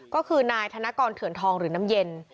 ก็คือนายธนกรเถื่อนทองหรือน้ำเย็น